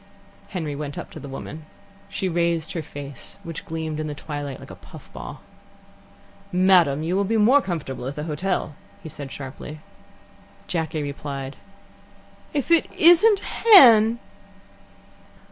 Henry went up to the woman. She raised her face, which gleamed in the twilight like a puff ball. "Madam, you will be more comfortable at the hotel," he said sharply. Jacky replied: "If it isn't Hen!"